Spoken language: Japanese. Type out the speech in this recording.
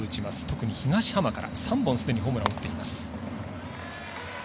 特に東浜から３本すでにホームランを打っています。